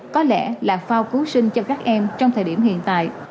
có lẽ là phao cứu sinh cho các em trong thời điểm hiện tại